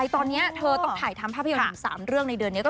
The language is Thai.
ตอนนี้เธอต้องถ่ายทำภาพยนตร์อยู่๓เรื่องในเดือนนี้